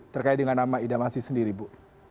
terkait dengan nama ida masih sendiri bu